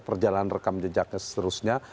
perjalanan rekam jejaknya seterusnya